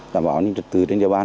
đảm bảo những trực tư trên địa bàn